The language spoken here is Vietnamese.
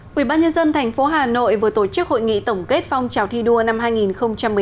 quỹ ban nhân dân thành phố hà nội vừa tổ chức hội nghị tổng kết phong trào thi đua năm hai nghìn một mươi tám